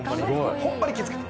ホンマに気ぃ付けて。